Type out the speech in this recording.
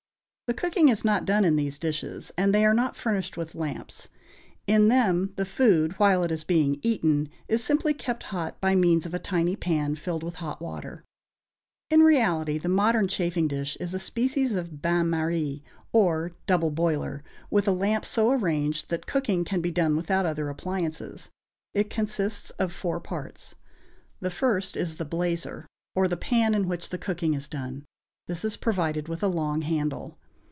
The cooking is not done in these dishes, and they are not furnished with lamps; in them the food, while it is being eaten, is simply kept hot by means of a tiny pan filled with hot water. [Illustration: Chafing Dish, Filler, Etc. "With all Appliances and Means to boot."] In reality, the modern chafing dish is a species of bain marie, or double boiler, with a lamp so arranged that cooking can be done without other appliances. It consists of four parts. The first is the blazer, or the pan in which the cooking is done; this is provided with a long handle.